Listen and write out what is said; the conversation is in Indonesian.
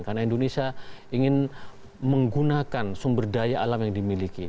karena indonesia ingin menggunakan sumber daya alam yang dimiliki